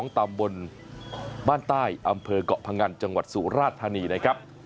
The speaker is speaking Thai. ตำบลบ้านใต้อำเภอกเกาะพงันจังหวัดสุราธานีนะครับ